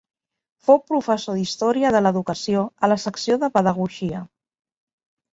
Fou professor d'Història de l'Educació a la secció de Pedagogia.